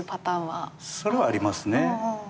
それはありますね。